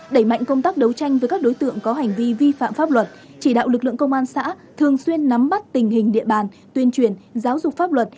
đẩy mạnh công tác đấu tranh với các đối tượng có hành vi vi phạm pháp luật chỉ đạo lực lượng công an xã thường xuyên nắm bắt tình hình địa bàn tuyên truyền giáo dục pháp luật